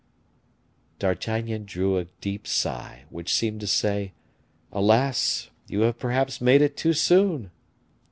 D'Artagnan drew a deep sigh, which seemed to say, "Alas! you have perhaps made it too soon."